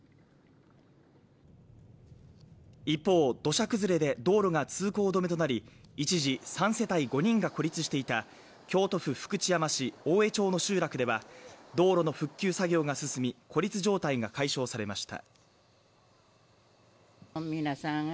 一方、土砂崩れで道路が通行止めとなり一時３世帯５人が孤立していた京都府福知山市大江町の集落では道路の復旧作業が進み孤立状態が解消されました